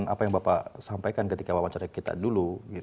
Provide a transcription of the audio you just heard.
apa yang bapak sampaikan ketika wawancara kita dulu